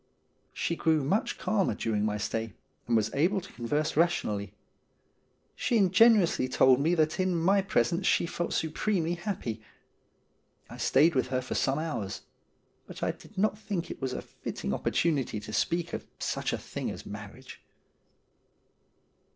She grew much calmer during my stay, and was able to converse rationally. She ingenuously told me that in my presence she felt supremely happy. I stayed with her for some hours ; but I did not think it was a fitting opportunity to speak of such a thing as marriage.